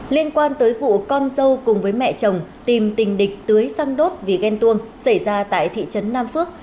liên quan tới vụ con dâu cùng với mẹ chồng tìm tình địch tưới xăng đốt vì ghen tuông xảy ra tại thị trấn nam phước